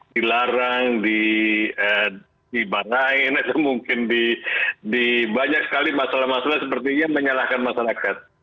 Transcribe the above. dilarang dibanain mungkin dibanyak sekali masalah masalah sepertinya menyalahkan masyarakat